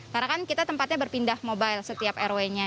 karena kan kita tempatnya berpindah mobile setiap rw nya